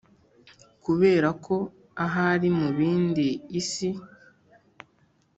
kuberako ahari mubindi isi